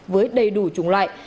với đầy đủ trùng loại